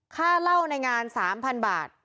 ค่าเหล้าในงาน๓๐๐๐บาท